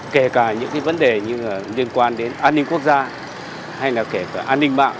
kể cả những vấn đề liên quan đến an ninh quốc gia hay là kể cả an ninh mạng